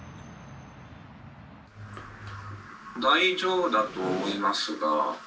「大丈夫だと思いますが」。